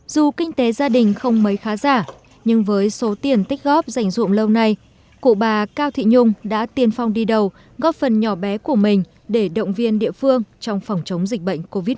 dù kinh tế gia đình không mấy khá giả nhưng với số tiền tích góp dành dụng lâu nay cụ bà cao thị nhung đã tiên phong đi đầu góp phần nhỏ bé của mình để động viên địa phương trong phòng chống dịch bệnh covid một mươi chín